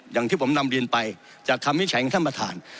อย่างที่ผมนำเรียนไปจากคำวิจัยของท่านประธาน